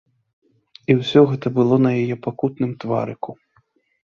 І ўсё гэта было на яе пакутным тварыку.